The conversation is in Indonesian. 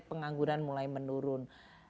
pengangguran mulai menurun